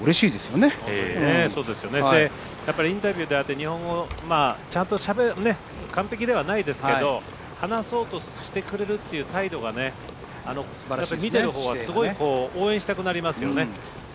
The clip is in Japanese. やっぱりインタビューでも日本語完璧ではないですけど話そうとしてくれるっていう態度が見ているほうはすごく応援したくなりますよね。